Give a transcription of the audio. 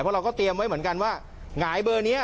เพราะเราก็เตรียมไว้เหมือนกันว่าหงายเบอร์นี้